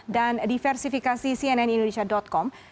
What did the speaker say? dan diversifikasi cnnindonesia com